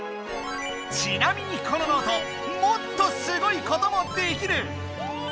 ちなみにこのノートもっとすごいこともできる！